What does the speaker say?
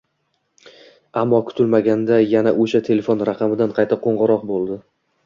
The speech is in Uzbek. Ammo kutilmaganda yana o'sha telefon raqamidan qayta qo'ng'iroq bo'ldi